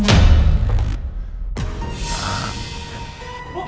kalian gak akan nyesel